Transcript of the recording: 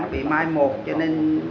nó bị mai một cho nên